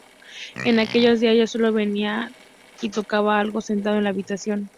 En aquellos días yo sólo venía y tocaba algo, sentado en la habitación.